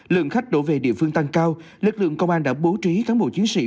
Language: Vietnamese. lượng khách đổ về địa phương tăng cao lực lượng công an đã bố trí cán bộ chiến sĩ